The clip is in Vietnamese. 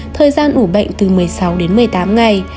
thời gian ủ bệnh từ một mươi sáu đến một mươi tám ngày